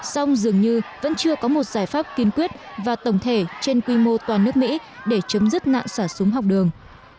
song dường như vẫn chưa có một giải pháp kiên quyết và tổng thể trên quy mô toàn nước mỹ để chấm dứt nạn xả súng học đường